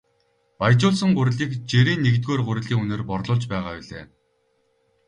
Баяжуулсан гурилыг жирийн нэгдүгээр гурилын үнээр борлуулж байгаа билээ.